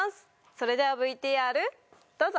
それではＶＴＲどうぞ！